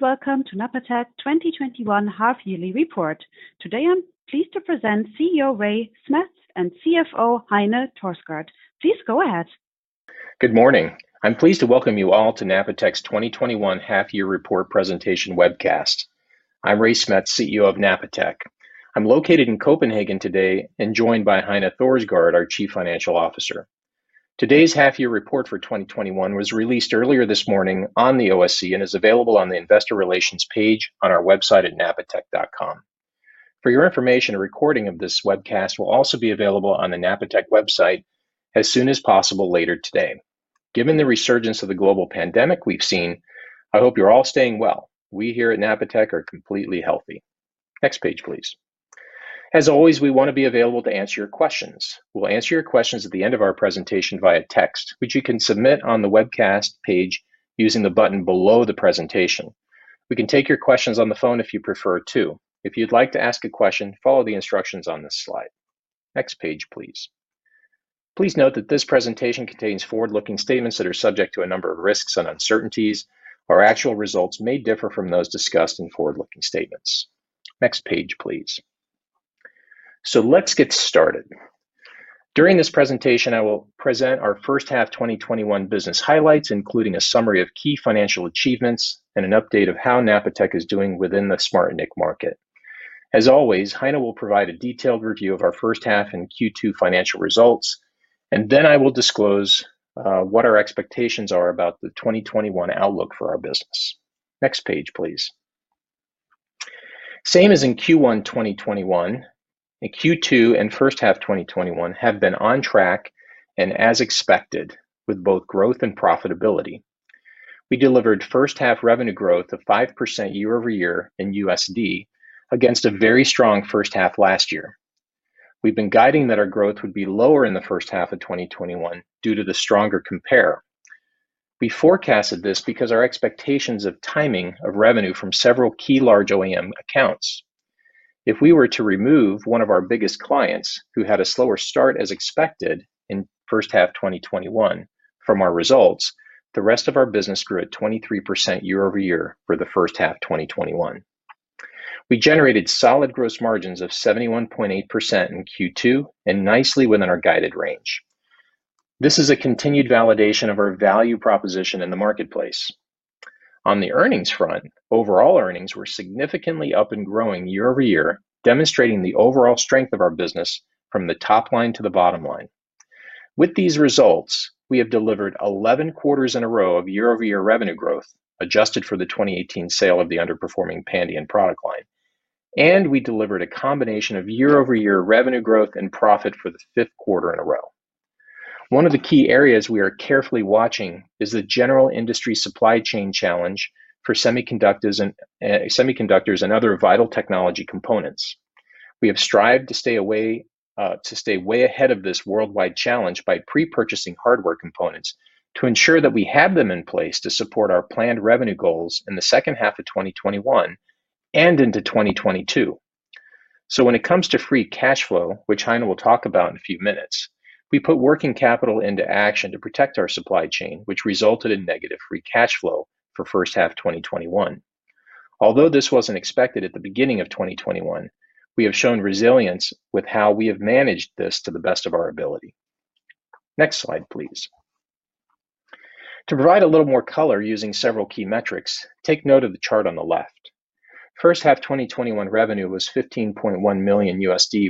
Hello, welcome to Napatech 2021 Half-Yearly Report. Today, I'm pleased to present CEO Ray Smets and CFO Heine Thorsgaard. Please go ahead. Good morning, I'm pleased to welcome you all to Napatech's 2021 half-year report presentation webcast. I'm Ray Smets, CEO of Napatech. I'm located in Copenhagen today and joined by Heine Thorsgaard, our Chief Financial Officer. Today's half-year report for 2021 was released earlier this morning on the OSE and is available on the investor relations page on our website at napatech.com. For your information, a recording of this webcast will also be available on the Napatech website as soon as possible later today. Given the resurgence of the global pandemic we've seen, I hope you're all staying well. We here at Napatech are completely healthy. Next page, please. As always, we want to be available to answer your questions. We'll answer your questions at the end of our presentation via text, which you can submit on the webcast page using the button below the presentation. We can take your questions on the phone if you prefer, too. If you'd like to ask a question, follow the instructions on this slide, next page, please. Please note that this presentation contains forward-looking statements that are subject to a number of risks and uncertainties. Our actual results may differ from those discussed in forward-looking statements. Next page, please. Let's get started. During this presentation, I will present our first half 2021 business highlights, including a summary of key financial achievements and an update of how Napatech is doing within the SmartNIC market. As always, Heine will provide a detailed review of our first half and Q2 financial results, and then I will disclose what our expectations are about the 2021 outlook for our business, next page, please. Same as in Q1 2021, in Q2 and first half 2021 have been on track and as expected with both growth and profitability. We delivered first half revenue growth of 5% year-over-year in USD against a very strong first half last year. We've been guiding that our growth would be lower in the first half of 2021 due to the stronger compare. We forecasted this because our expectations of timing of revenue from several key large OEM accounts. If we were to remove one of our biggest clients who had a slower start as expected in first half 2021 from our results, the rest of our business grew at 23% year-over-year for the first half 2021. We generated solid gross margins of 71.8% in Q2 and nicely within our guided range. This is a continued validation of our value proposition in the marketplace. On the earnings front, overall earnings were significantly up and growing year-over-year, demonstrating the overall strength of our business from the top line to the bottom line. With these results, we have delivered 11 quarters in a row of year-over-year revenue growth, adjusted for the 2018 sale of the underperforming Pandion product line, and we delivered a combination of year-over-year revenue growth and profit for the fifth quarter in a row. One of the key areas we are carefully watching is the general industry supply chain challenge for semiconductors and other vital technology components. We have strived to stay way ahead of this worldwide challenge by pre-purchasing hardware components to ensure that we have them in place to support our planned revenue goals in the second half of 2021 and into 2022. When it comes to free cash flow, which Heine will talk about in a few minutes, we put working capital into action to protect our supply chain, which resulted in negative free cash flow for first half 2021. Although this wasn't expected at the beginning of 2021, we have shown resilience with how we have managed this to the best of our ability, next slide, please. To provide a little more color using several key metrics, take note of the chart on the left. First half 2021 revenue was $15.1 million,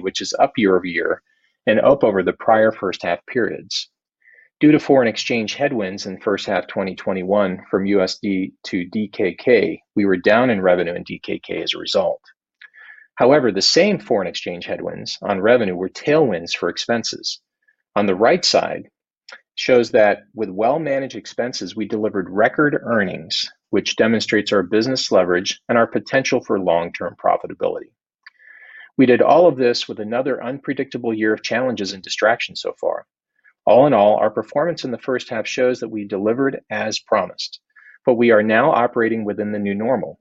which is up year-over-year and up over the prior first half periods. Due to foreign exchange headwinds in first half 2021 from USD to DKK, we were down in revenue in DKK as a result. The same foreign exchange headwinds on revenue were tailwinds for expenses. On the right side shows that with well-managed expenses, we delivered record earnings, which demonstrates our business leverage and our potential for long-term profitability. We did all of this with another unpredictable year of challenges and distractions so far. Our performance in the first half shows that we delivered as promised. We are now operating within the new normal.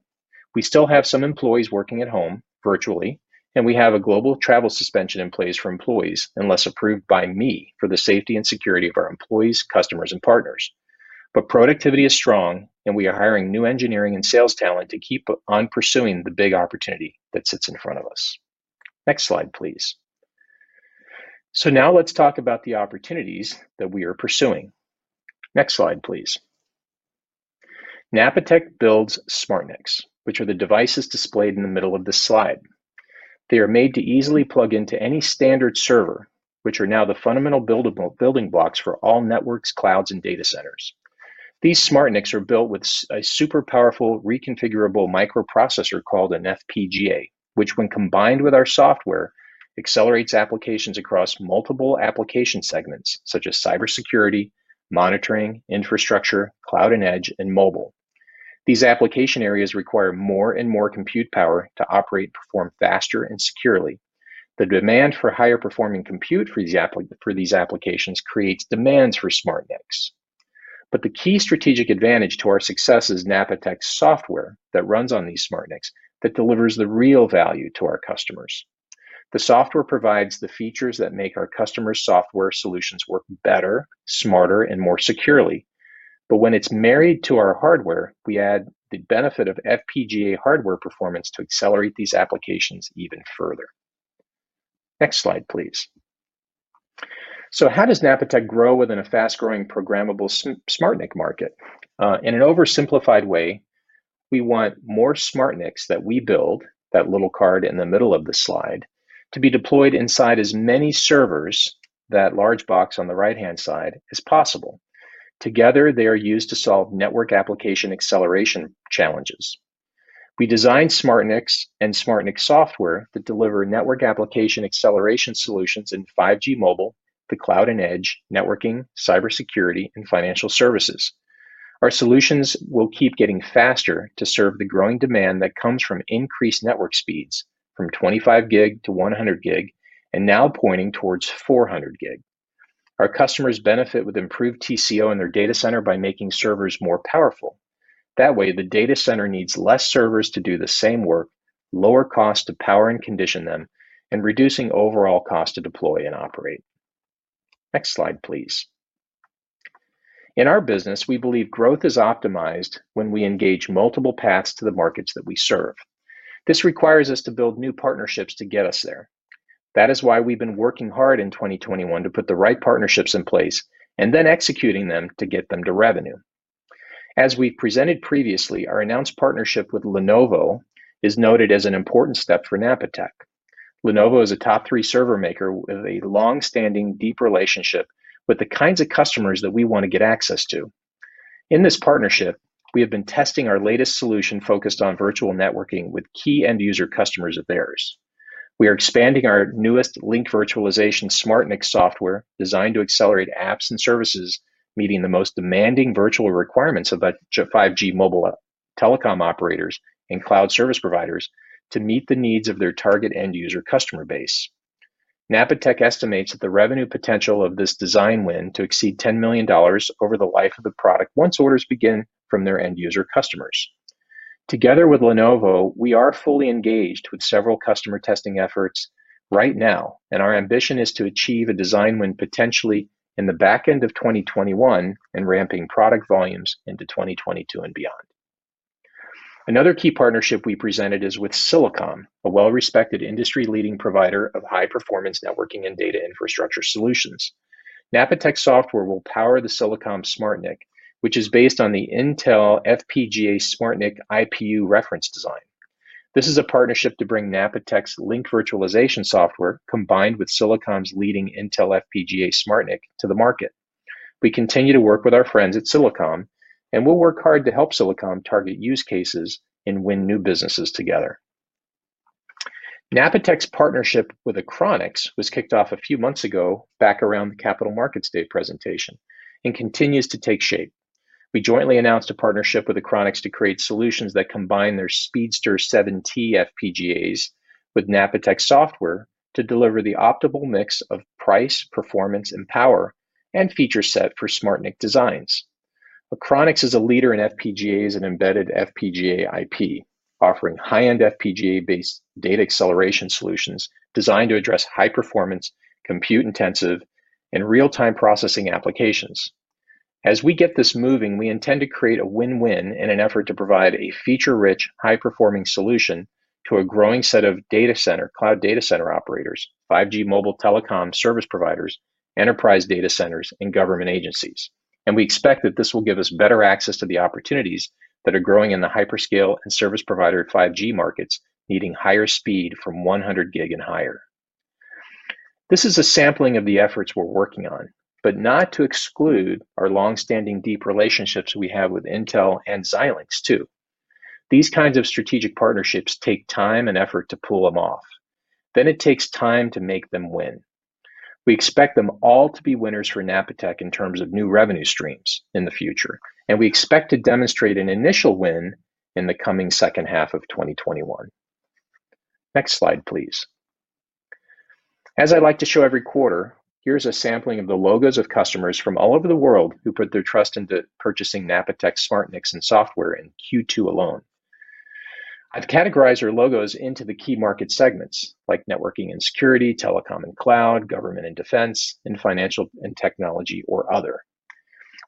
We still have some employees working at home virtually. We have a global travel suspension in place for employees, unless approved by me for the safety and security of our employees, customers, and partners. Productivity is strong. We are hiring new engineering and sales talent to keep on pursuing the big opportunity that sits in front of us, next slide, please. Now let's talk about the opportunities that we are pursuing, next slide, please. Napatech builds SmartNICs, which are the devices displayed in the middle of this slide. They are made to easily plug into any standard server, which are now the fundamental building blocks for all networks, clouds, and data centers. These SmartNICs are built with a super powerful reconfigurable microprocessor called an FPGA, which when combined with our software, accelerates applications across multiple application segments such as cybersecurity, monitoring, infrastructure, cloud and edge, and mobile. These application areas require more and more compute power to operate, perform faster, and securely. The demand for higher performing compute for these applications creates demands for SmartNICs. The key strategic advantage to our success is Napatech's software that runs on these SmartNICs that delivers the real value to our customers. The software provides the features that make our customers' software solutions work better, smarter, and more securely. When it's married to our hardware, we add the benefit of FPGA hardware performance to accelerate these applications even further. Next slide, please. How does Napatech grow within a fast-growing programmable SmartNIC market? In an oversimplified way, we want more SmartNICs that we build, that little card in the middle of the slide, to be deployed inside as many servers, that large box on the right-hand side, as possible. Together, they are used to solve network application acceleration challenges. We design SmartNICs and SmartNIC software that deliver network application acceleration solutions in 5G mobile, the cloud and edge, networking, cybersecurity, and financial services. Our solutions will keep getting faster to serve the growing demand that comes from increased network speeds from 25 Gb-100 Gb, and now pointing towards 400 Gb. Our customers benefit with improved TCO in their data center by making servers more powerful. That way, the data center needs less servers to do the same work, lower cost to power and condition them, and reducing overall cost to deploy and operate, next slide, please. In our business, we believe growth is optimized when we engage multiple paths to the markets that we serve. This requires us to build new partnerships to get us there. That is why we've been working hard in 2021 to put the right partnerships in place and then executing them to get them to revenue. As we presented previously, our announced partnership with Lenovo is noted as an important step for Napatech. Lenovo is a top tthree server maker with a long-standing, deep relationship with the kinds of customers that we want to get access to. In this partnership, we have been testing our latest solution focused on virtual networking with key end user customers of theirs. We are expanding our newest Link-Virtualization SmartNIC software designed to accelerate apps and services meeting the most demanding virtual requirements of 5G mobile telecom operators and cloud service providers to meet the needs of their target end user customer base. Napatech estimates that the revenue potential of this design win to exceed $10 million over the life of the product once orders begin from their end user customers. Together with Lenovo, we are fully engaged with several customer testing efforts right now, and our ambition is to achieve a design win potentially in the back end of 2021 and ramping product volumes into 2022 and beyond. Another key partnership we presented is with Silicom, a well-respected industry-leading provider of high-performance networking and data infrastructure solutions. Napatech software will power the Silicom SmartNIC, which is based on the Intel FPGA SmartNIC IPU reference design. This is a partnership to bring Napatech's Link-Virtualization software combined with Silicom's leading Intel FPGA SmartNIC to the market. We continue to work with our friends at Silicom, and we'll work hard to help Silicom target use cases and win new businesses together. Napatech's partnership with Achronix was kicked off a few months ago back around the Capital Markets Day presentation and continues to take shape. We jointly announced a partnership with Achronix to create solutions that combine their Speedster7t FPGAs with Napatech software to deliver the optimal mix of price, performance, and power, and feature set for SmartNIC designs. Achronix is a leader in FPGAs and embedded FPGA IP, offering high-end FPGA-based data acceleration solutions designed to address high-performance, compute-intensive, and real-time processing applications. As we get this moving, we intend to create a win-win in an effort to provide a feature-rich, high-performing solution to a growing set of data center, cloud data center operators, 5G mobile telecom service providers, enterprise data centers, and government agencies. We expect that this will give us better access to the opportunities that are growing in the hyperscale and service provider 5G markets, needing higher speed from 100 Gb and higher. This is a sampling of the efforts we're working on, but not to exclude our long-standing, deep relationships we have with Intel and Xilinx, too. These kinds of strategic partnerships take time and effort to pull them off. It takes time to make them win. We expect them all to be winners for Napatech in terms of new revenue streams in the future, and we expect to demonstrate an initial win in the coming second half of 2021, next slide, please. As I like to show every quarter, here's a sampling of the logos of customers from all over the world who put their trust into purchasing Napatech SmartNICs and software in Q2 alone. I've categorized our logos into the key market segments, like networking and security, telecom and cloud, government and defense, and financial and technology, or other.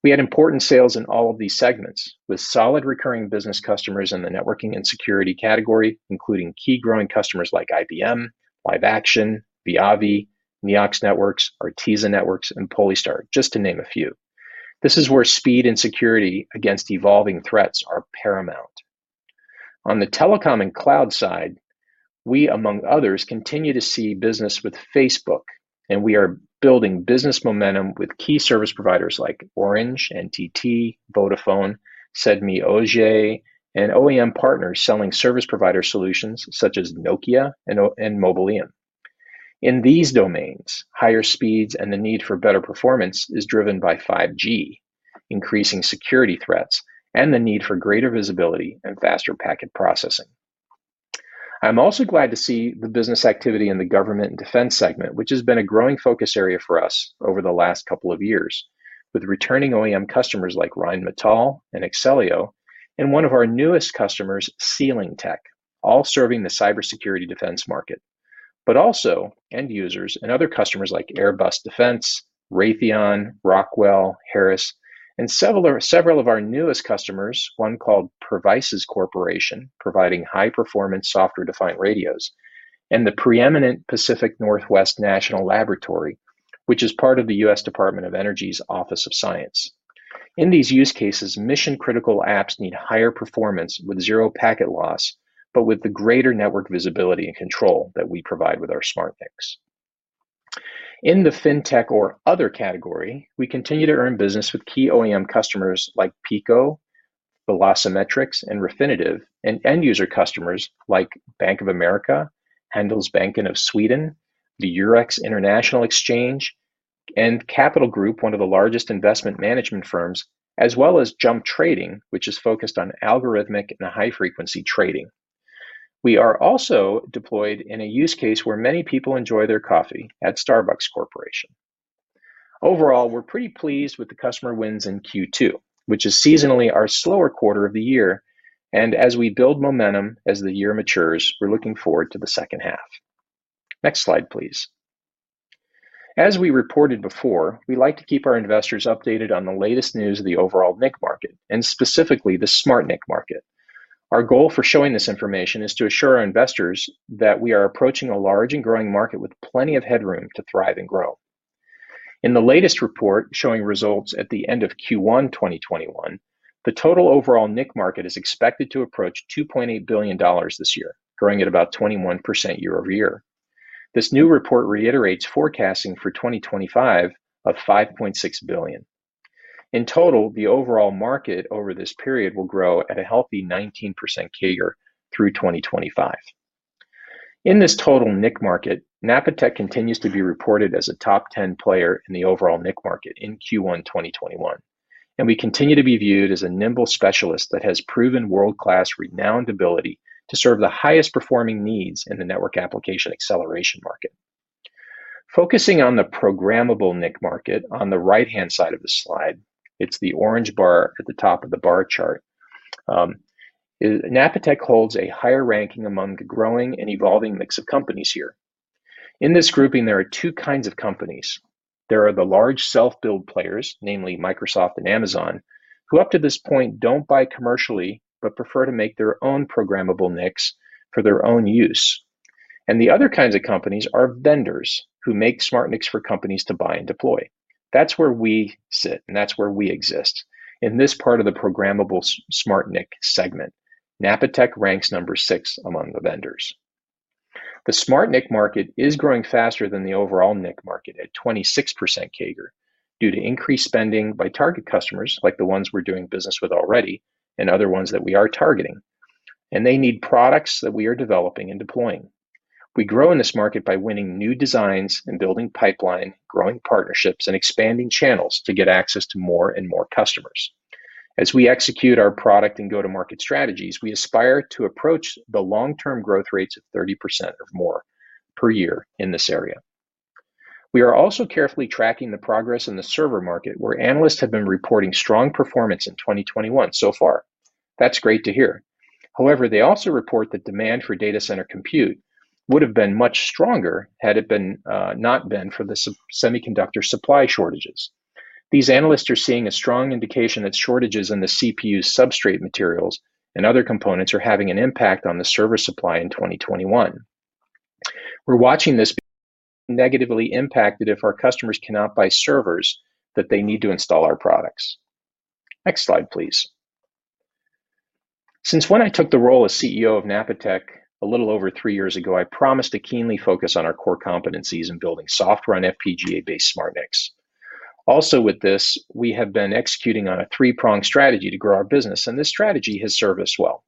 We had important sales in all of these segments with solid recurring business customers in the networking and security category, including key growing customers like IBM, LiveAction, VIAVI, NEOX Networks, Artiza Networks, and Polystar, just to name a few. This is where speed and security against evolving threats are paramount. On the telecom and cloud side, we, among others, continue to see business with Facebook, and we are building business momentum with key service providers like Orange, NTT, Vodafone, SDMI, OG, and OEM partners selling service provider solutions such as Nokia and Mobileum. In these domains, higher speeds and the need for better performance is driven by 5G, increasing security threats, and the need for greater visibility and faster packet processing. I'm also glad to see the business activity in the government and defense segment, which has been a growing focus area for us over the last couple of years with returning OEM customers like Rheinmetall and Axellio, and one of our newest customers, Cylink, all serving the cybersecurity defense market. Also end users and other customers like Airbus Defence, Raytheon, Rockwell, Harris, and several of our newest customers, one called Per Vices Corporation, providing high-performance software-defined radios, and the preeminent Pacific Northwest National Laboratory, which is part of the U.S. Department of Energy's Office of Science. In these use cases, mission-critical apps need higher performance with zero packet loss, but with the greater network visibility and control that we provide with our SmartNICs. In the fintech or other category, we continue to earn business with key OEM customers like Pico, Velocimetrics, and Refinitiv, and end-user customers like Bank of America, Handelsbanken of Sweden, the Eurex International Exchange, and Capital Group, one of the largest investment management firms. Jump Trading, which is focused on algorithmic and high-frequency trading. We are also deployed in a use case where many people enjoy their coffee at Starbucks Corporation. Overall, we're pretty pleased with the customer wins in Q2, which is seasonally our slower quarter of the year. As we build momentum as the year matures, we're looking forward to the second half, next slide, please. As we reported before, we like to keep our investors updated on the latest news of the overall NIC market, and specifically the SmartNIC market. Our goal for showing this information is to assure our investors that we are approaching a large and growing market with plenty of headroom to thrive and grow. In the latest report showing results at the end of Q1 2021, the total overall NIC market is expected to approach $2.8 billion this year, growing at about 21% year-over-year. This new report reiterates forecasting for 2025 of $5.6 billion. In total, the overall market over this period will grow at a healthy 19% CAGR through 2025. In this total NIC market, Napatech continues to be reported as a top 10 player in the overall NIC market in Q1 2021. We continue to be viewed as a nimble specialist that has proven world-class renowned ability to serve the highest performing needs in the network application acceleration market. Focusing on the programmable NIC market on the right-hand side of the slide, it's the orange bar at the top of the bar chart, Napatech holds a higher ranking among the growing and evolving mix of companies here. In this grouping, there are two kinds of companies. There are the large self-build players, namely Microsoft and Amazon, who up to this point, don't buy commercially, but prefer to make their own programmable NICs for their own use. The other kinds of companies are vendors who make SmartNICs for companies to buy and deploy. That's where we sit, and that's where we exist. In this part of the programmable SmartNIC segment, Napatech ranks number six among the vendors. The SmartNIC market is growing faster than the overall NIC market at 26% CAGR due to increased spending by target customers like the ones we're doing business with already and other ones that we are targeting. They need products that we are developing and deploying. We grow in this market by winning new designs and building pipeline, growing partnerships, and expanding channels to get access to more and more customers. As we execute our product and go-to-market strategies, we aspire to approach the long-term growth rates of 30% or more per year in this area. We are also carefully tracking the progress in the server market where analysts have been reporting strong performance in 2021 so far, that's great to hear. They also report that demand for data center compute would have been much stronger had it not been for the semiconductor supply shortages. These analysts are seeing a strong indication that shortages in the CPU substrate materials and other components are having an impact on the server supply in 2021. We're watching this negatively impacted if our customers cannot buy servers that they need to install our products, next slide, please. When I took the role as CEO of Napatech a little over three years ago, I promised to keenly focus on our core competencies in building software and FPGA-based SmartNICs. With this, we have been executing on a three-pronged strategy to grow our business, and this strategy has served us well.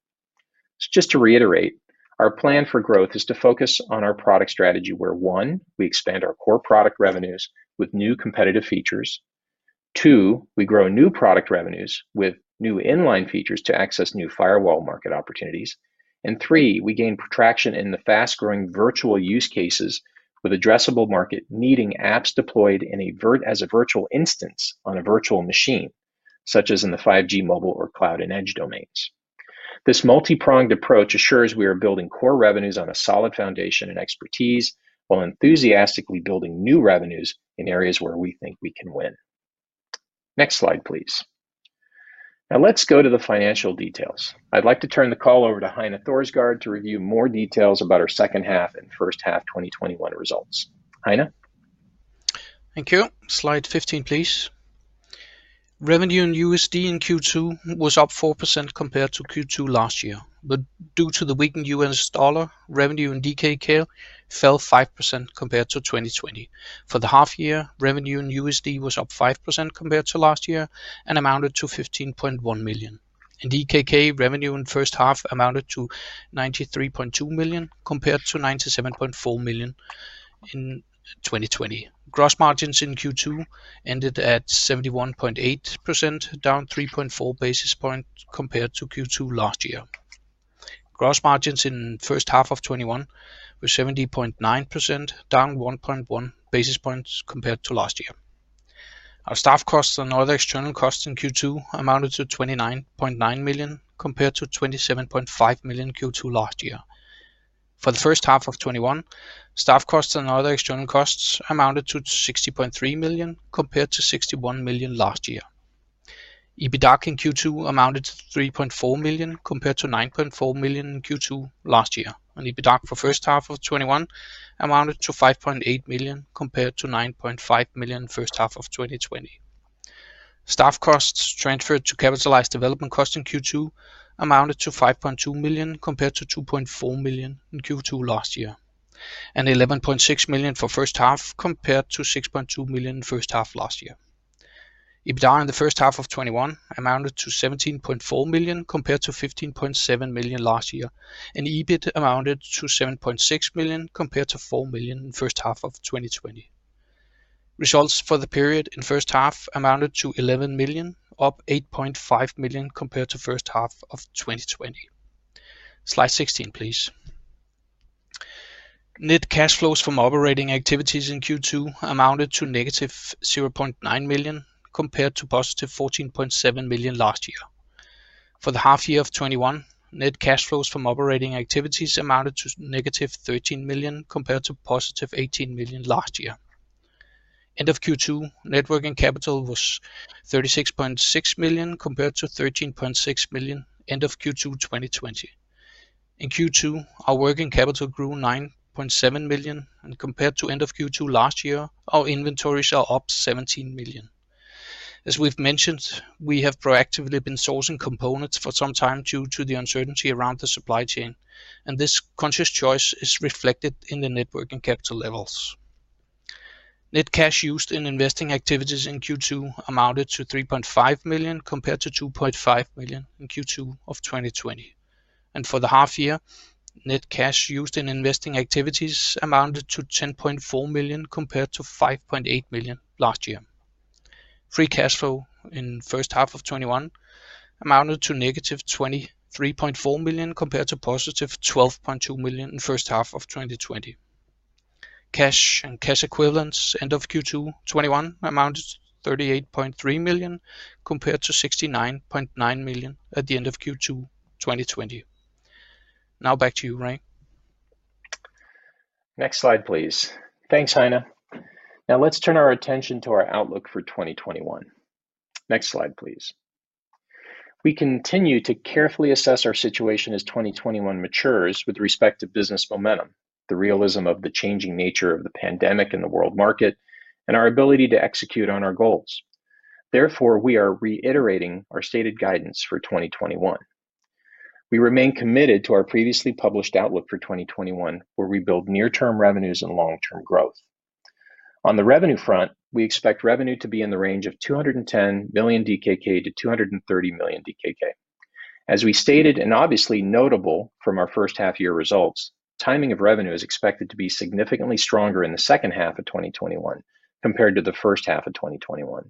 Just to reiterate, our plan for growth is to focus on our product strategy where, one, we expand our core product revenues with new competitive features. Two, we grow new product revenues with new inline features to access new firewall market opportunities. Three, we gain traction in the fast-growing virtual use cases with addressable market needing apps deployed as a virtual instance on a virtual machine, such as in the 5G mobile or cloud and edge domains. This multi-pronged approach assures we are building core revenues on a solid foundation and expertise while enthusiastically building new revenues in areas where we think we can win, next slide, please. Let's go to the financial details. I'd like to turn the call over to Heine Thorsgaard to review more details about our second half and first half 2021 results. Heine? Thank you, slide 15, please. Revenue in USD in Q2 was up 4% compared to Q2 last year. Due to the weakened US dollar, revenue in DKK fell 5% compared to 2020. For the half year, revenue in USD was up 5% compared to last year and amounted to $15.1 million. In DKK, revenue in first half amounted to 93.2 million compared to 97.4 million in 2020. Gross margins in Q2 ended at 71.8%, down 3.4 basis points compared to Q2 last year. Gross margins in first half of 2021 were 70.9%, down 1.1 basis points compared to last year. Our staff costs and other external costs in Q2 amounted to 29.9 million, compared to 27.5 million Q2 last year. For the first half of 2021, staff costs and other external costs amounted to 60.3 million, compared to 61 million last year. EBITDA in Q2 amounted to 3.4 million, compared to 9.4 million in Q2 last year. EBITDA for first half of 2021 amounted to 5.8 million, compared to 9.5 million first half of 2020. Staff costs transferred to capitalized development costs in Q2 amounted to 5.2 million, compared to 2.4 million in Q2 last year. 11.6 million for first half, compared to 6.2 million first half last year. EBITDA in the first half of 2021 amounted to 17.4 million, compared to 15.7 million last year. EBIT amounted to 7.6 million, compared to 4 million first half of 2020. Results for the period in first half amounted to 11 million, up 8.5 million compared to first half of 2020, slide 16, please. Net cash flows from operating activities in Q2 amounted to -0.9 million, compared to +14.7 million last year. For the half year of 2021, net cash flows from operating activities amounted to -13 million, compared to +18 million last year. End of Q2, net working capital was 36.6 million, compared to 13.6 million end of Q2 2020. In Q2, our working capital grew 9.7 million, and compared to end of Q2 last year, our inventories are up 17 million. As we've mentioned, we have proactively been sourcing components for some time due to the uncertainty around the supply chain, and this conscious choice is reflected in the net working capital levels. Net cash used in investing activities in Q2 amounted to 3.5 million, compared to 2.5 million in Q2 2020. For the half year, net cash used in investing activities amounted to 10.4 million, compared to 5.8 million last year. Free cash flow in first half of 2021 amounted to -23.4 million, compared to +12.2 million in first half of 2020. Cash and cash equivalents end of Q2 2021 amounted 38.3 million, compared to 69.9 million at the end of Q2 2020. Now back to you, Ray. Next slide, please. Thanks, Heine, let's turn our attention to our outlook for 2021, next slide, please. We continue to carefully assess our situation as 2021 matures with respect to business momentum, the realism of the changing nature of the pandemic in the world market, and our ability to execute on our goals. We are reiterating our stated guidance for 2021. We remain committed to our previously published outlook for 2021, where we build near-term revenues and long-term growth. On the revenue front, we expect revenue to be in the range of 210 million-230 million DKK. As we stated, and obviously notable from our first half year results, timing of revenue is expected to be significantly stronger in the second half of 2021 compared to the first half of 2021.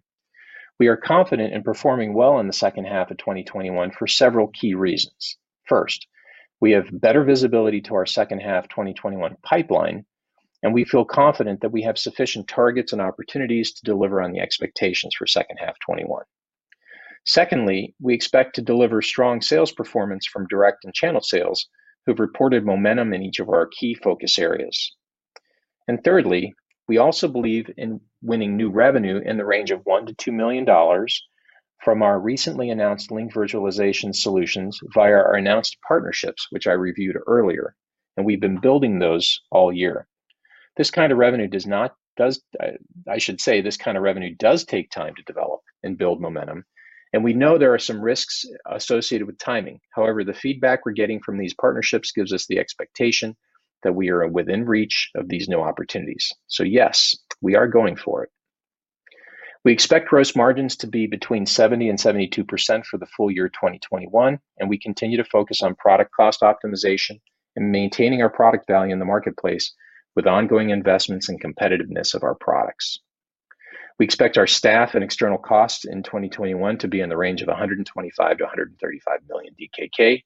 We are confident in performing well in the second half of 2021 for several key reasons. We have better visibility to our second half 2021 pipeline, and we feel confident that we have sufficient targets and opportunities to deliver on the expectations for second half 2021. We expect to deliver strong sales performance from direct and channel sales, who've reported momentum in each of our key focus areas. We also believe in winning new revenue in the range of $1 million-$2 million from our recently announced Link-Virtualization solutions via our announced partnerships, which I reviewed earlier, and we've been building those all year. This kind of revenue does take time to develop and build momentum, and we know there are some risks associated with timing. However, the feedback we're getting from these partnerships gives us the expectation that we are within reach of these new opportunities. Yes, we are going for it. We expect gross margins to be between 70% and 72% for the full year 2021, and we continue to focus on product cost optimization and maintaining our product value in the marketplace with ongoing investments in competitiveness of our products. We expect our staff and external costs in 2021 to be in the range of 125 million-135 million DKK,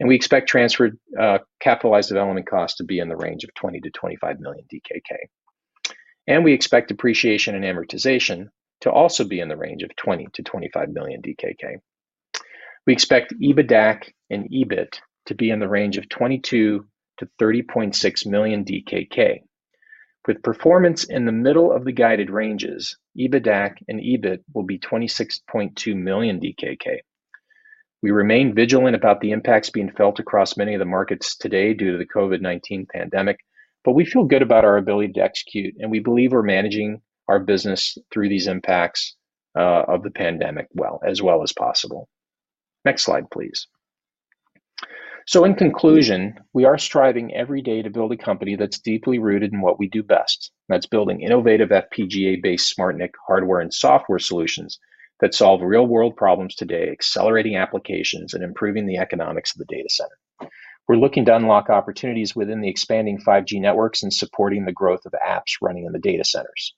and we expect transferred capitalized development costs to be in the range of 20 million-25 million DKK. We expect depreciation and amortization to also be in the range of 20 million-25 million DKK. We expect EBITDA and EBIT to be in the range of 22 million-30.6 million DKK. With performance in the middle of the guided ranges, EBITDA and EBIT will be 26.2 million DKK. We remain vigilant about the impacts being felt across many of the markets today due to the COVID-19 pandemic, but we feel good about our ability to execute, and we believe we're managing our business through these impacts of the pandemic well, as well as possible. Next slide, please. In conclusion, we are striving every day to build a company that's deeply rooted in what we do best. That's building innovative FPGA-based SmartNIC hardware and software solutions that solve real-world problems today, accelerating applications and improving the economics of the data center. We're looking to unlock opportunities within the expanding 5G networks and supporting the growth of apps running in the data centers.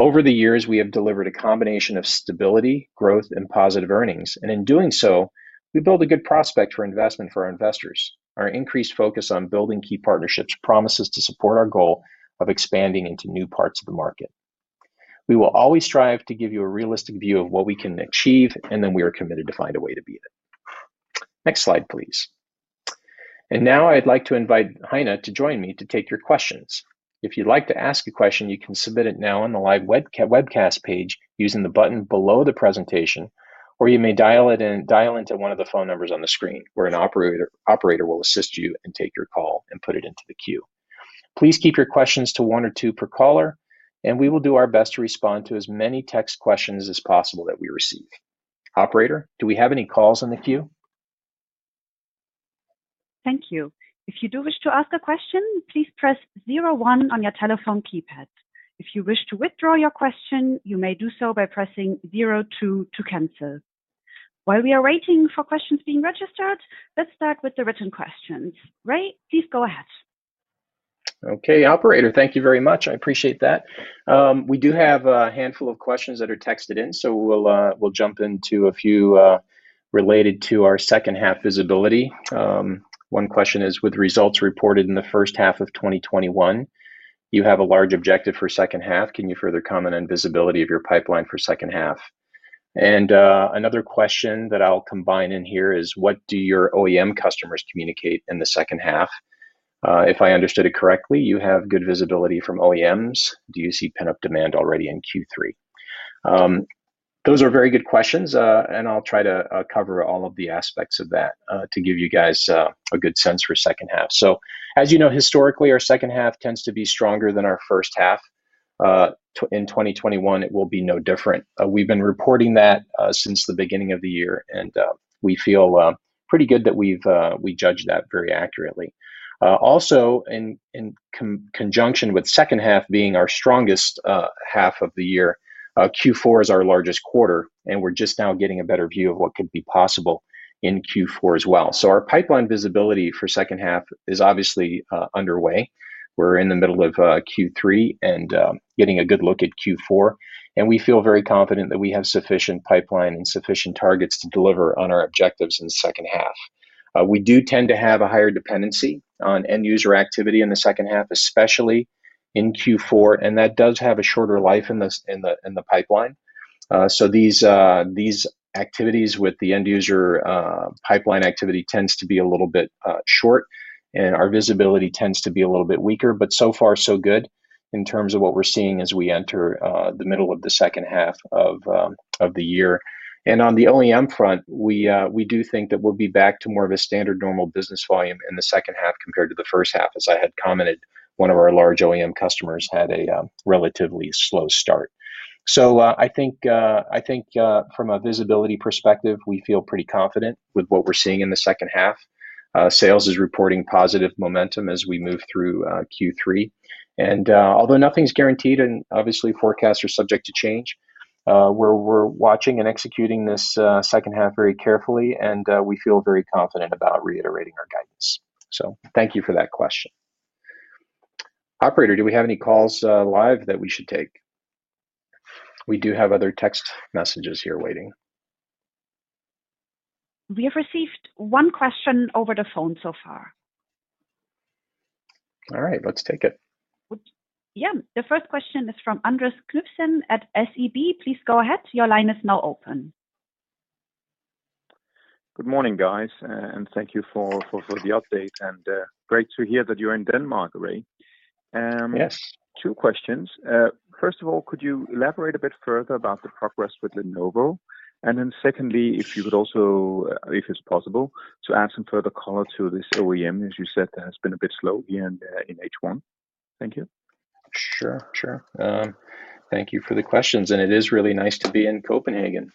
Over the years, we have delivered a combination of stability, growth, and positive earnings, in doing so, we build a good prospect for investment for our investors. Our increased focus on building key partnerships promises to support our goal of expanding into new parts of the market. We will always strive to give you a realistic view of what we can achieve, then we are committed to find a way to beat it, next slide, please. Now I'd like to invite Heine to join me to take your questions. If you'd like to ask a question, you can submit it now on the live webcast page using the button below the presentation, or you may dial into one of the phone numbers on the screen where an operator will assist you and take your call and put it into the queue. Please keep your questions to one or two per caller, and we will do our best to respond to as many text questions as possible that we receive. Operator, do we have any calls in the queue? Thank you, if you do wish to ask a question, please press zero one on your telephone keypad if you wish to withdraw your question, you may do so by pressing zero two to cancel. While we are waiting for questions being registered, let's start with the written questions. Ray, please go ahead. Okay, operator. Thank you very much. I appreciate that. We do have a handful of questions that are texted in, we'll jump into a few related to our second half visibility. One question is: "With results reported in the first half of 2021, you have a large objective for second half." Can you further comment on visibility of your pipeline for second half? Another question that I'll combine in here is: "What do your OEM customers communicate in the second half? If I understood it correctly, you have good visibility from OEMs. Do you see pent-up demand already in Q3?" Those are very good questions, and I'll try to cover all of the aspects of that to give you guys a good sense for second half. As you know, historically, our second half tends to be stronger than our first half. In 2021, it will be no different. We've been reporting that since the beginning of the year, and we feel pretty good that we judge that very accurately. Also, in conjunction with second half being our strongest half of the year, Q4 is our largest quarter, and we're just now getting a better view of what could be possible in Q4 as well. Our pipeline visibility for second half is obviously underway. We're in the middle of Q3 and getting a good look at Q4, and we feel very confident that we have sufficient pipeline and sufficient targets to deliver on our objectives in the second half. We do tend to have a higher dependency on end user activity in the second half, especially in Q4, and that does have a shorter life in the pipeline. These activities with the end user pipeline activity tends to be a little bit short, and our visibility tends to be a little bit weaker, but so far so good in terms of what we're seeing as we enter the middle of the second half of the year. On the OEM front, we do think that we'll be back to more of a standard normal business volume in the second half compared to the first half. As I had commented, one of our large OEM customers had a relatively slow start. I think from a visibility perspective, we feel pretty confident with what we're seeing in the second half. Sales is reporting positive momentum as we move through Q3. Although nothing's guaranteed, and obviously forecasts are subject to change, we're watching and executing this second half very carefully, and we feel very confident about reiterating our guidance. Thank you for that question. Operator, do we have any calls live that we should take? We do have other text messages here waiting. We have received one question over the phone so far. All right, let's take it. Yeah, the first question is from Anders Knudsen at SEB. Please go ahead. Your line is now open. Good morning, guys, and thank you for the update, and great to hear that you're in Denmark, Ray. Yes. Two questions, first of all, could you elaborate a bit further about the progress with Lenovo? Secondly, if you would also, if it's possible, to add some further color to this OEM, as you said, has been a bit slow in H1? Thank you. Sure, thank you for the questions. It is really nice to be in Copenhagen.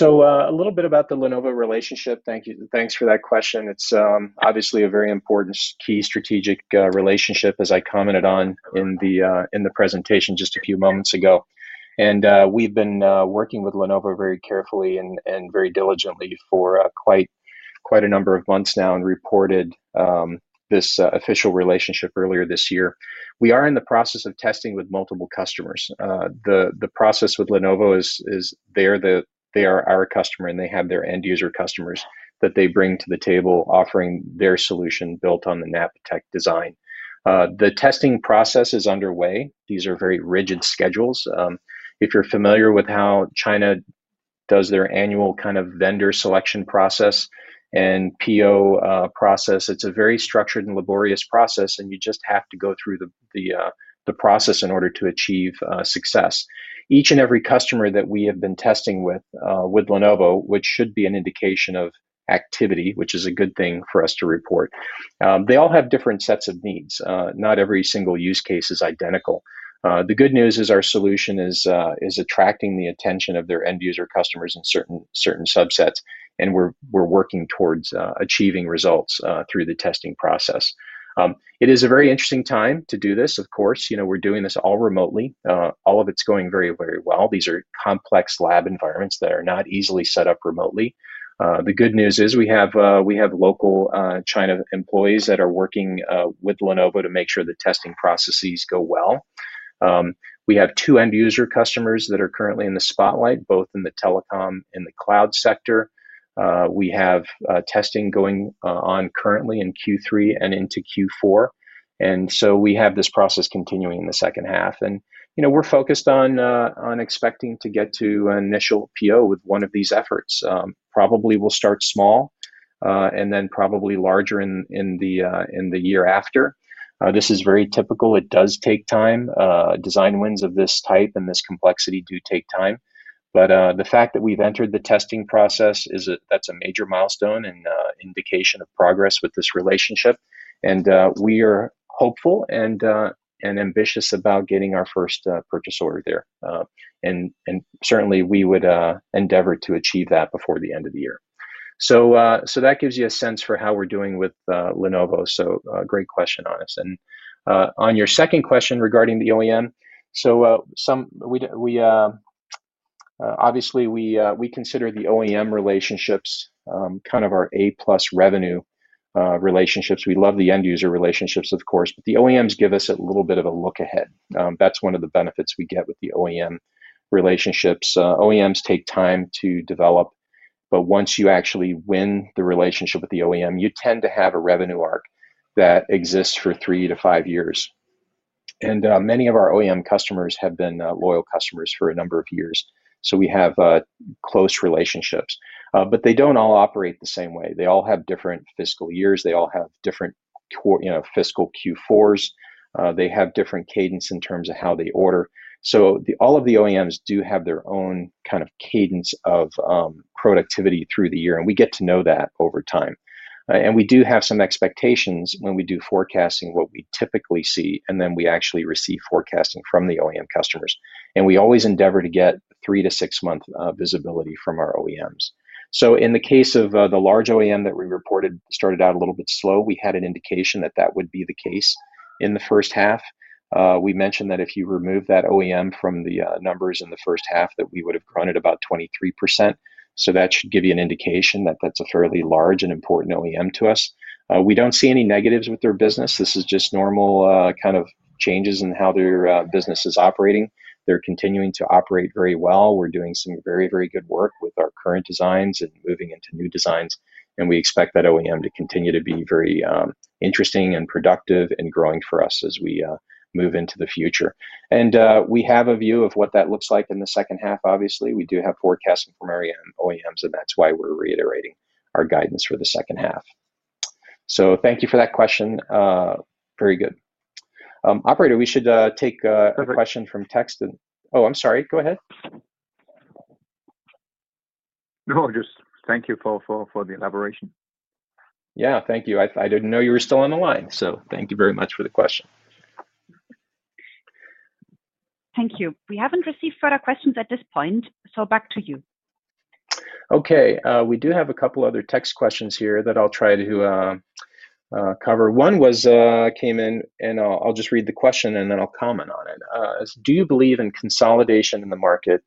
A little bit about the Lenovo relationship, thanks for that question. It's obviously a very important key strategic relationship, as I commented on in the presentation just a few moments ago. We've been working with Lenovo very carefully and very diligently for quite a number of months now and reported this official relationship earlier this year. We are in the process of testing with multiple customers. The process with Lenovo is they are our customer, and they have their end user customers that they bring to the table offering their solution built on the Napatech design. The testing process is underway, these are very rigid schedules. If you're familiar with how China does their annual vendor selection process and PO process, it's a very structured and laborious process, and you just have to go through the process in order to achieve success. Each and every customer that we have been testing with Lenovo, which should be an indication of activity, which is a good thing for us to report, they all have different sets of needs. Not every single use case is identical. The good news is our solution is attracting the attention of their end user customers in certain subsets. We're working towards achieving results through the testing process. It is a very interesting time to do this, of course. We're doing this all remotely. All of it's going very well, these are complex lab environments that are not easily set up remotely. The good news is we have local China employees that are working with Lenovo to make sure the testing processes go well. We have two end user customers that are currently in the spotlight, both in the telecom and the cloud sector. We have testing going on currently in Q3 and into Q4. We have this process continuing in the second half, and we're focused on expecting to get to an initial PO with one of these efforts. Probably we'll start small, then probably larger in the year after. This is very typical; it does take time. Design wins of this type and this complexity do take time. The fact that we've entered the testing process, that's a major milestone and indication of progress with this relationship. We are hopeful and ambitious about getting our first purchase order there. Certainly, we would endeavor to achieve that before the end of the year. That gives you a sense for how we're doing with Lenovo, great question, Anders. On your second question regarding the OEM, obviously we consider the OEM relationships kind of our A-plus revenue relationships. We love the end user relationships, of course, but the OEMs give us a little bit of a look ahead. That's one of the benefits we get with the OEM relationships. OEMs take time to develop, but once you actually win the relationship with the OEM, you tend to have a revenue arc that exists for three to five years. Many of our OEM customers have been loyal customers for a number of years, we have close relationships. They don't all operate the same way; they all have different fiscal years. They all have different fiscal Q4s. They have different cadence in terms of how they order. All of the OEMs do have their own kind of cadence of productivity through the year, and we get to know that over time. We do have some expectations when we do forecasting, what we typically see, and then we actually receive forecasting from the OEM customers. We always endeavor to get three- to six-month visibility from our OEMs. In the case of the large OEM that we reported started out a little bit slow, we had an indication that that would be the case in the first half. We mentioned that if you remove that OEM from the numbers in the first half, that we would've grown at about 23%. That should give you an indication that that's a fairly large and important OEM to us. We don't see any negatives with their business. This is just normal kind of changes in how their business is operating. They're continuing to operate very well. We're doing some very good work with our current designs and moving into new designs. We expect that OEM to continue to be very interesting and productive and growing for us as we move into the future. We have a view of what that looks like in the second half, obviously. We do have forecasting from our OEMs, that's why we're reiterating our guidance for the second half. Thank you for that question, very good. Operator, we should take a question from text, oh, I'm sorry, go ahead? No, just thank you for the elaboration. Yeah, thank you. I didn't know you were still on the line, so thank you very much for the question. Thank you, we haven't received further questions at this point, so back to you. We do have a couple other text questions here that I'll try to cover. One came in, and I'll just read the question, and then I'll comment on it. "Do you believe in consolidation in the market,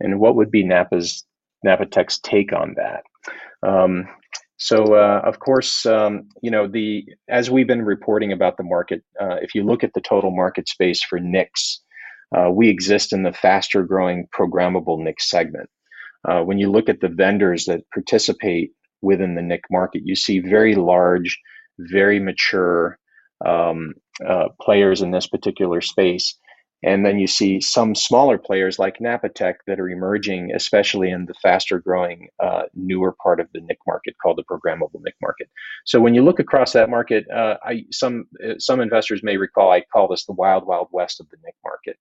and what would be Napatech's take on that?" Of course, as we've been reporting about the market, if you look at the total market space for NICs, we exist in the faster-growing programmable NIC segment. When you look at the vendors that participate within the NIC market, you see very large, very mature players in this particular space. You see some smaller players like Napatech that are emerging, especially in the faster-growing, newer part of the NIC market called the programmable NIC market. When you look across that market, some investors may recall I call this the Wild Wild West of the NIC market.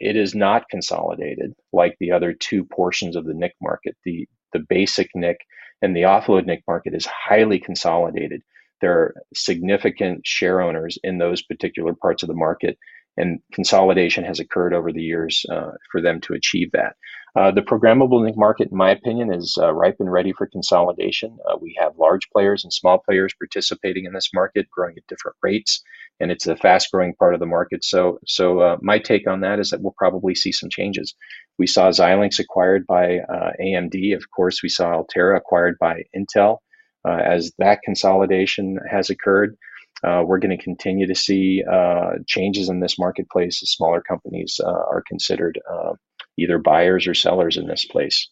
It is not consolidated like the other two portions of the NIC market. The basic NIC and the offload NIC market is highly consolidated. There are significant share owners in those particular parts of the market, and consolidation has occurred over the years for them to achieve that. The programmable NIC market, in my opinion, is ripe and ready for consolidation. We have large players and small players participating in this market, growing at different rates, and it's a fast-growing part of the market. My take on that is that we'll probably see some changes. We saw Xilinx acquired by AMD. Of course, we saw Altera acquired by Intel. As that consolidation has occurred, we're going to continue to see changes in this marketplace as smaller companies are considered either buyers or sellers in this place.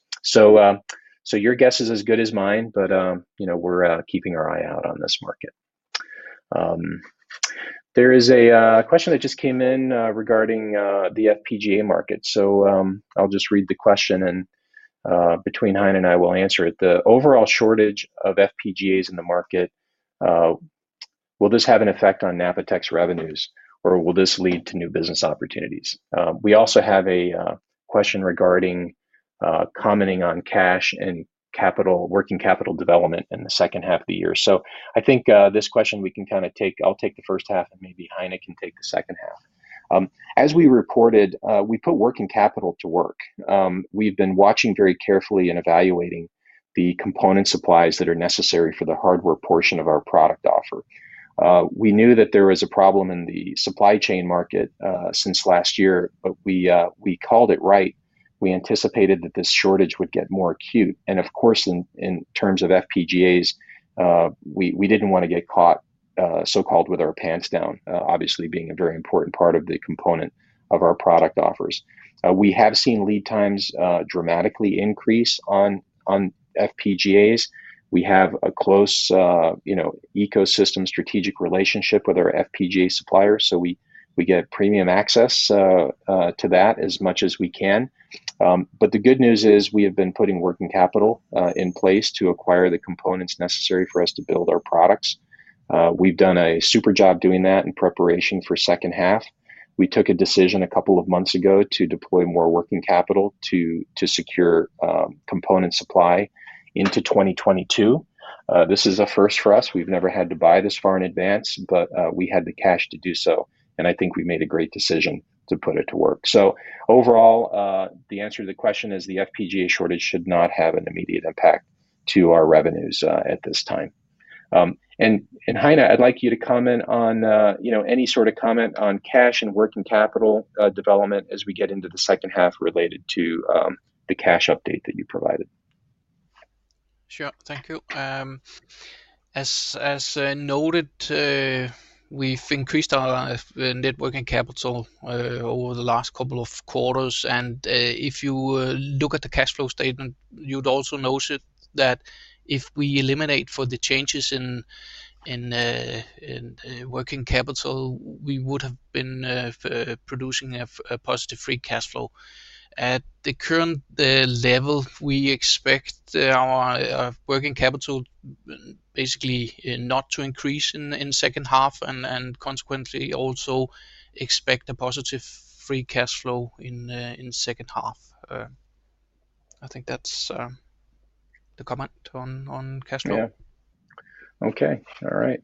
Your guess is as good as mine, but we're keeping our eye out on this market. There is a question that just came in regarding the FPGA market. I'll just read the question, and between Heine and I, we'll answer it. "The overall shortage of FPGAs in the market, will this have an effect on Napatech's revenues, or will this lead to new business opportunities?" We also have a question regarding commenting on cash and working capital development in the second half of the year. I think this question, I'll take the first half and maybe Heine can take the second half. As we reported, we put working capital to work. We've been watching very carefully and evaluating the component supplies that are necessary for the hardware portion of our product offer. We knew that there was a problem in the supply chain market since last year. We called it right. We anticipated that this shortage would get more acute, and of course, in terms of FPGAs, we didn't want to get caught so-called with our pants down, obviously being a very important part of the component of our product offers. We have seen lead times dramatically increase on FPGAs. We have a close ecosystem strategic relationship with our FPGA suppliers, so we get premium access to that as much as we can. The good news is we have been putting working capital in place to acquire the components necessary for us to build our products. We've done a super job doing that in preparation for second half. We took a decision a couple of months ago to deploy more working capital to secure component supply into 2022. This is a first for us, we've never had to buy this far in advance, but we had the cash to do so, and I think we made a great decision to put it to work. Overall, the answer to the question is the FPGA shortage should not have an immediate impact to our revenues at this time. Heine, I'd like you to comment on any sort of comment on cash and working capital development as we get into the second half related to the cash update that you provided. Sure, thank you. As noted, we've increased our networking capital over the last couple of quarters, and if you look at the cash flow statement, you'd also notice that if we eliminate for the changes in working capital, we would have been producing a positive free cash flow. At the current level, we expect our working capital basically not to increase in second half, and consequently also expect a positive free cash flow in second half. I think that's the comment on cash flow. Yeah, okay. All right,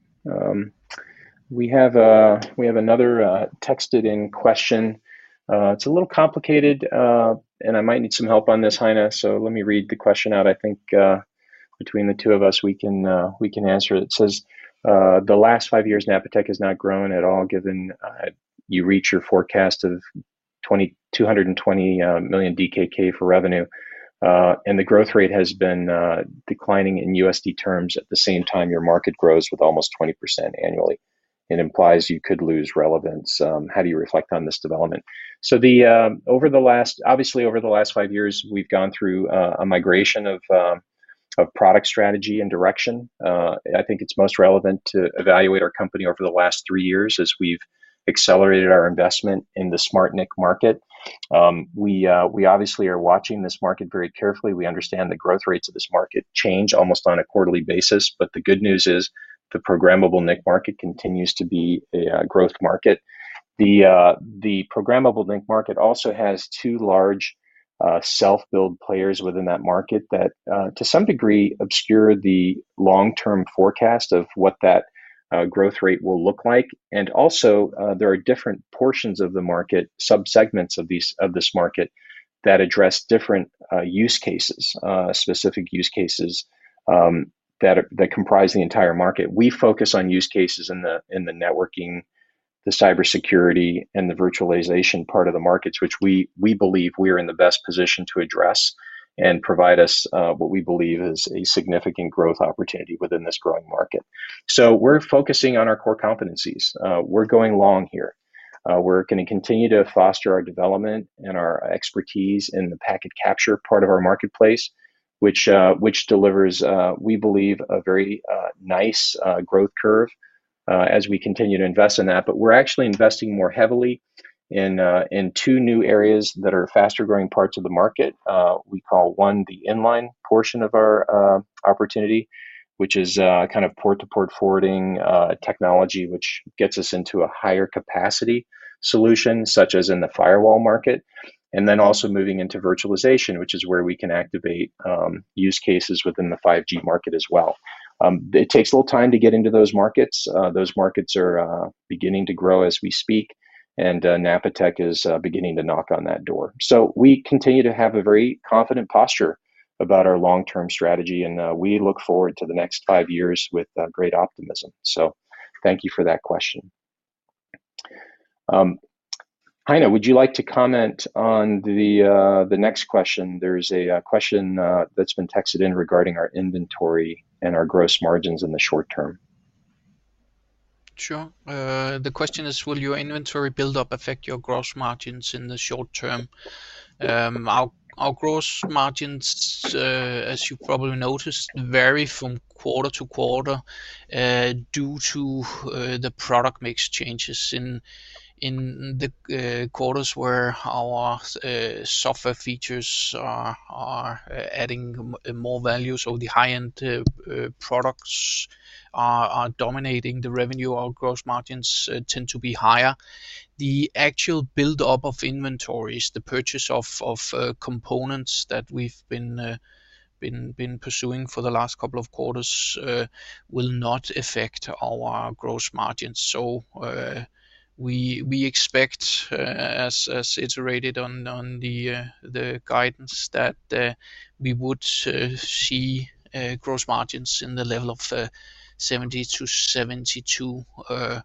we have another texted in question. It's a little complicated, and I might need some help on this, Heine, so let me read the question out. I think between the two of us, we can answer it. It says, "The last five years, Napatech has not grown at all given you reach your forecast of 220 million DKK for revenue, and the growth rate has been declining in USD terms at the same time your market grows with almost 20% annually. It implies you could lose relevance. How do you reflect on this development?" Obviously over the last five years, we've gone through a migration of product strategy and direction. I think it's most relevant to evaluate our company over the last three years as we've accelerated our investment in the SmartNIC market. We obviously are watching this market very carefully. We understand the growth rates of this market change almost on a quarterly basis, but the good news is the programmable NIC market continues to be a growth market. The programmable NIC market also has two large self-build players within that market that to some degree obscure the long-term forecast of what that growth rate will look like, and also there are different portions of the market, subsegments of this market that address different use cases, specific use cases that comprise the entire market. We focus on use cases in the networking, the cybersecurity, and the virtualization part of the markets, which we believe we are in the best position to address and provide us what we believe is a significant growth opportunity within this growing market. We're focusing on our core competencies; we're going long here. We're going to continue to foster our development and our expertise in the packet capture part of our marketplace, which delivers, we believe, a very nice growth curve as we continue to invest in that. We're actually investing more heavily in two new areas that are faster-growing parts of the market. We call one the inline portion of our opportunity, which is kind of port-to-port forwarding technology, which gets us into a higher capacity solution, such as in the firewall market. Also moving into virtualization, which is where we can activate use cases within the 5G market as well. It takes a little time to get into those markets. Those markets are beginning to grow as we speak, and Napatech is beginning to knock on that door. We continue to have a very confident posture about our long-term strategy, and we look forward to the next five years with great optimism. Thank you for that question. Heine, would you like to comment on the next question? There is a question that has been texted in regarding our inventory and our gross margins in the short term. Sure, the question is, "Will your inventory build-up affect your gross margins in the short term?" Our gross margins, as you probably noticed, vary from quarter to quarter due to the product mix changes in the quarters where our software features are adding more value. The high-end products are dominating the revenue. Our gross margins tend to be higher, the actual build-up of inventories, the purchase of components that we've been pursuing for the last couple of quarters will not affect our gross margins. We expect, as iterated on the guidance, that we would see gross margins in the level of 70%-72%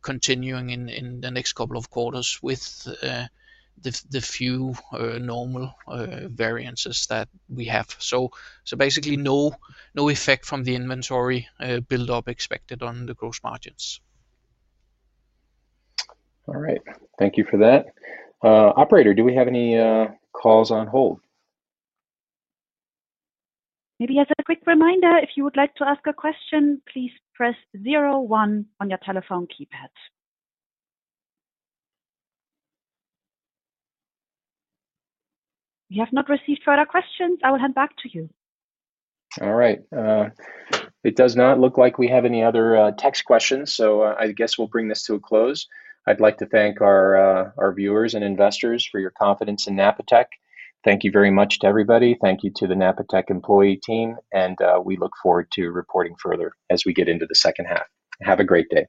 continuing in the next couple of quarters with the few normal variances that we have. Basically, no effect from the inventory build-up expected on the gross margins. All right, thank you for that. Operator, do we have any calls on hold? Maybe as a quick reminder, if you would like to ask a question, please press zero one on your telephone keypad. We have not received further questions, I will hand back to you. All right, it does not look like we have any other text questions, so I guess we'll bring this to a close. I'd like to thank our viewers and investors for your confidence in Napatech. Thank you very much to everybody, thank you to the Napatech employee team, and we look forward to reporting further as we get into the second half, have a great day.